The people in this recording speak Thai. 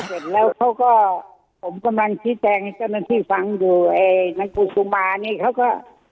แล้วเสร็จแล้วเขาก็ผมกำลังชี้แจงให้เจ้าหน้าที่ฟังดูไอ้นักกุศุมานี่เขาก็